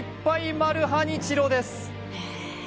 マルハニチロです